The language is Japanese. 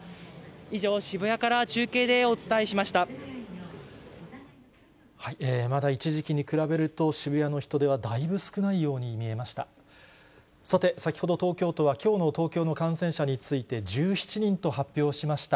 以上、まだ一時期に比べると、渋谷の人出はだいぶ少ないように見えました。